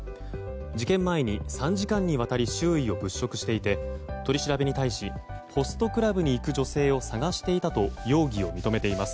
事件前に３時間にわたり周囲を物色していて取り調べに対しホストクラブに行く女性を探していたと容疑を認めています。